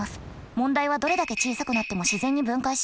問題はどれだけ小さくなっても自然に分解しないこと。